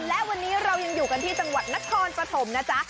และวันนี้เรายังอยู่กันที่จังหวัดนครปฐมนะจ๊ะ